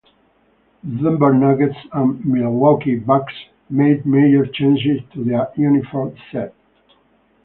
The Denver Nuggets and Milwaukee Bucks made major changes to their uniform set.